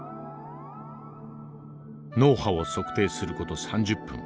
脳波を測定する事３０分。